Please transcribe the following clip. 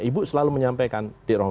ibu selalu menyampaikan